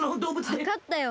わかったよ。